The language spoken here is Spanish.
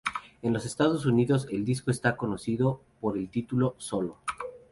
En los Estados Unidos, el disco está conocido por el título "Solo".